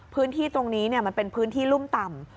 พื้นที่ตรงนี้มันเป็นพื้นที่รุ่มต่ำ